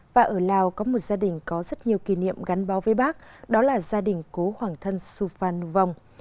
và ở lào có một gia đình có rất nhiều kỷ niệm gắn báo với bác đó là gia đình của hoàng thân su phan ngu vong